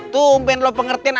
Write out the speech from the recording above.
tuh umpian lo pengertian apa